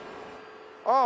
ああ！